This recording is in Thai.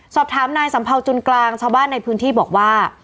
สอบถามนายสัมเภาจุนกลางชาวบ้านในพื้นที่บอกว่า